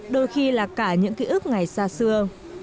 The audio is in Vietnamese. đôi khi là cả những ký ức ngày xa xưa